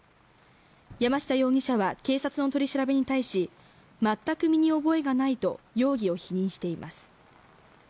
山下容疑者は警察の取り調べに対し全く身に覚えがないと容疑を否認しています